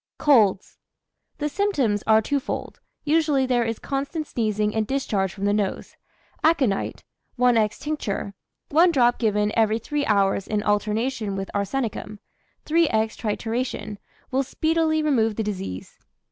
COLDS. The symptoms are twofold, usually there is constant sneezing and discharge from the nose. Aconite, 1^{×} tincture, 1 drop given every 3 hours in alternation with arsenicum, 3^{×} trituration, will speedily remove the disease.